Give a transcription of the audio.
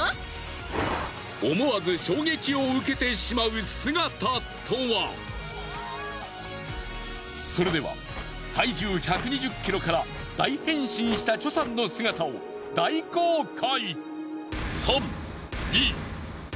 全身整形手術で思わずそれでは体重１２０ｋｇから大変身したチョさんの姿を大公開。